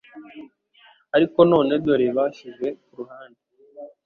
Ariko none dore bashyizwe ku ruhande.